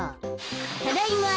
ただいま！